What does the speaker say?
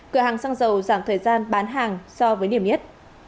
cửa hàng xăng dầu giảm thời gian bán hàng so với điểm nhất